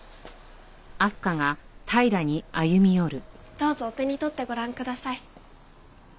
どうぞお手に取ってご覧ください。